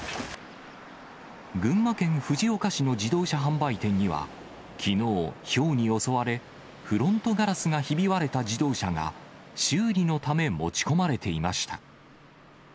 群馬県藤岡市の自動車販売店には、きのう、ひょうに襲われ、フロントガラスがひび割れた自動車が、修理のため持ち込まれていました。